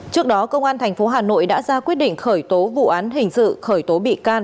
trước đó công an tp hà nội đã ra quyết định khởi tố vụ án hình sự khởi tố bị can